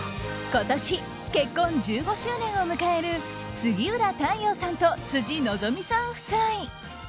今年結婚１５周年を迎える杉浦太陽さんと辻希美さん夫妻。